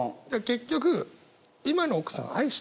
結局。